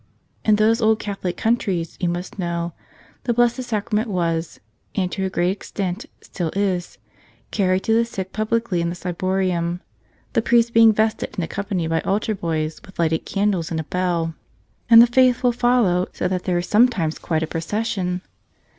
In those old Catholic countries, you must know, the Blessed Sacrament was, and to a great extent, still is, carried to the sick publicly in the ciborium, the priest being vested and accompanied by altar boys with lighted candles and a bell. And the faithful follow, so that there is sometimes quite a procession.